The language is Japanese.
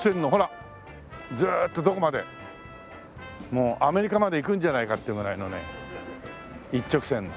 ずーっとどこまでもアメリカまで行くんじゃないかっていうぐらいのね一直線。